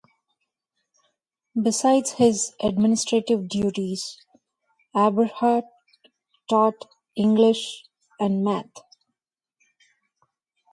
Besides his administrative duties, Aberhart taught English and math.